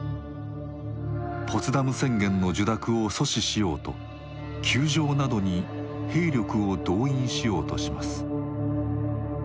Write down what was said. ポツダム宣言の受諾を阻止しようと宮城などに兵力を動員しようとします。